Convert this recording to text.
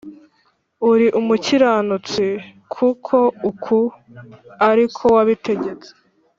uri umukiranutsi kuko uku ari ko wabitegetse.